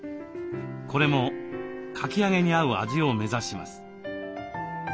これもかき揚げに合う味を目指します。